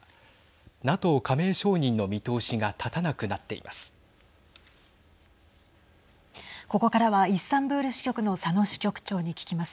ＮＡＴＯ加盟承認の見通しが立たなくなっています。